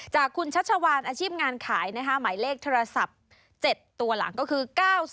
จากคุณชัชวานอาชีพงานขายหมายเลขโทรศัพท์๗ตัวหลังก็คือ๙๐